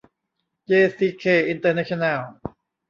เจซีเค อินเตอร์เนชั่นแนล